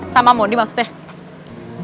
sama modi maksudnya